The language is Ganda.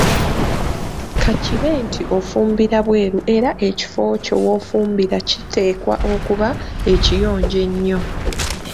Ka kibe nti ofumbira bwelu era ekifo ekyo w‘ofumbira kiteekwa okuba ekiyonjo ennyo.